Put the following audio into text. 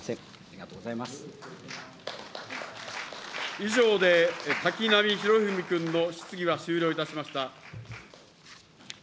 以上で滝波宏文君の質疑は終了いたしました。